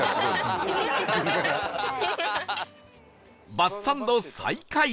バスサンド再開